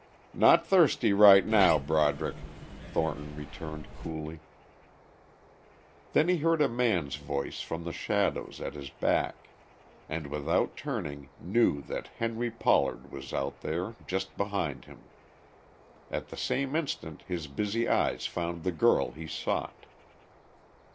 "Not thirsty right now, Broderick," Thornton returned coolly. Then he heard a man's voice from the shadows at his back, and without turning knew that Henry Pollard was out there, just behind him. At the same instant his busy eyes found the girl he sought.